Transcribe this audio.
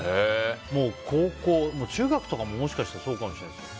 高校中学とかも、もしかしたらそうかもしれないですよ。